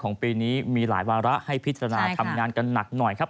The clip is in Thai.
ปีนี้มีหลายวาระให้พิจารณาทำงานกันหนักหน่อยครับ